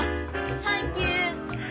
サンキュー！